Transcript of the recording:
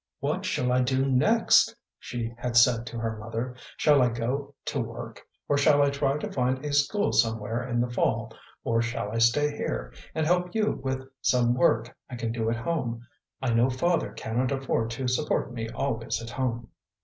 "What shall I do next?" she had said to her mother. "Shall I go to work, or shall I try to find a school somewhere in the fall, or shall I stay here, and help you with some work I can do at home? I know father cannot afford to support me always at home."